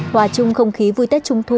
hòa chung không khí vui tết trung thu